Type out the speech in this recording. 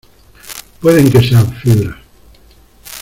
pueden que sean fibras.